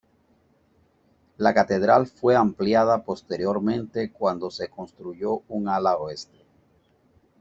La catedral fue ampliada posteriormente cuando se construyó un ala oeste.